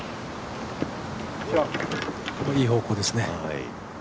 いい方向ですね。